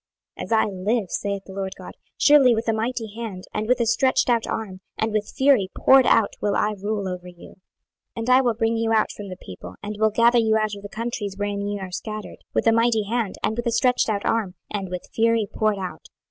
26:020:033 As I live, saith the Lord GOD, surely with a mighty hand, and with a stretched out arm, and with fury poured out, will I rule over you: 26:020:034 And I will bring you out from the people, and will gather you out of the countries wherein ye are scattered, with a mighty hand, and with a stretched out arm, and with fury poured out.